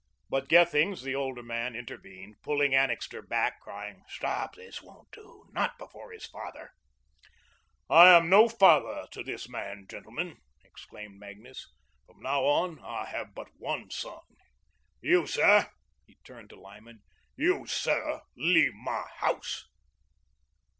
But Gethings, the older man, intervened, pulling Annixter back, crying: "Stop, this won't do. Not before his father." "I am no father to this man, gentlemen," exclaimed Magnus. "From now on, I have but one son. You, sir," he turned to Lyman, "you, sir, leave my house."